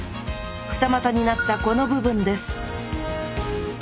二またになったこの部分です